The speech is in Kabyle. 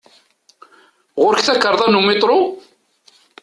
Ɣur-k takarḍa n umitṛu?